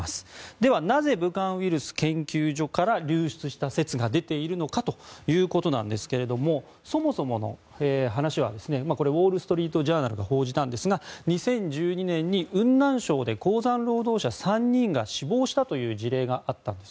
では、なぜ武漢ウイルス研究所から流出した説が出ているのかということですがそもそもの話はこれ、ウォール・ストリート・ジャーナルが報じたんですが２０１２年に雲南省で鉱山労働者３人が死亡したという事例があったんです。